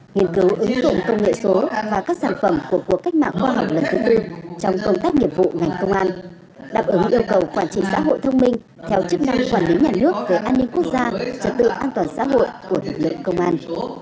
nghiên cứu ứng dụng công nghệ số và các sản phẩm của cuộc cách mạng khoa học lần thứ tư trong công tác nghiệp vụ ngành công an đáp ứng yêu cầu quản trị xã hội thông minh theo chức năng quản lý nhà nước về an ninh quốc gia trật tự an toàn xã hội của lực lượng công an